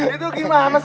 itu gimana sih mas